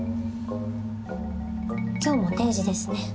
今日も定時ですね。